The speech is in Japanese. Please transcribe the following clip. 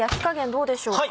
どうでしょうか？